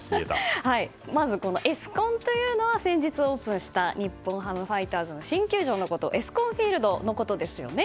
まずエスコンというのは先日オープンした日本ハムファイターズの新球場エスコンフィールドのことですよね。